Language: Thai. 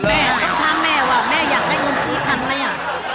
แต่มันคำถามแม่ว่ากดี้ซูอาแม่อยากได้เงินซี้พันธุรกิจม๊ะ